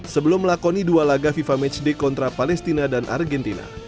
sebelum melakoni dua laga fifa matchday kontra palestina dan argentina